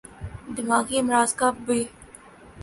دماغی امراض کا ب